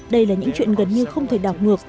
đây là những chuyện gần như không thể đảo ngược